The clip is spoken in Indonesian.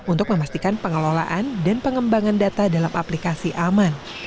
untuk memastikan pengelolaan dan pengembangan data dalam aplikasi aman